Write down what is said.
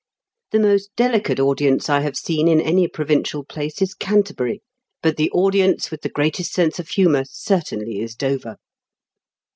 The most delicate audience I have seen in any provincial place is Canterbury, but the audience with the greatest sense of humour certainly is Dover."